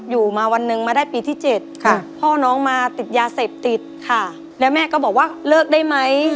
อยู่มาวันหนึ่งมาได้ปีที่๗พ่อน้องมาติดยาเสพติดค่ะแล้วแม่ก็บอกว่าเลิกได้ไหม